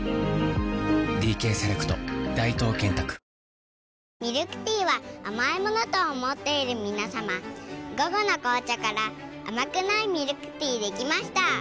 俺がこの役だったのにミルクティーは甘いものと思っている皆さま「午後の紅茶」から甘くないミルクティーできました。